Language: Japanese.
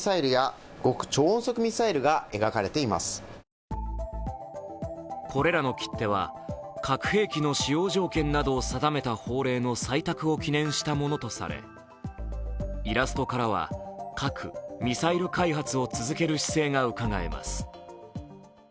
更にこれらの切手は、核兵器の使用条件などを定めた法令の採択を記念したものとされ、イラストからは核・ミサイル開発を続ける姿勢がうかがえます。